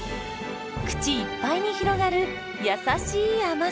口いっぱいに広がる優しい甘さ。